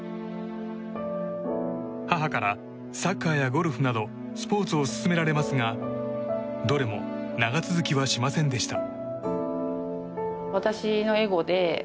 母から、サッカーやゴルフなどスポーツを勧められますがどれも長続きはしませんでした。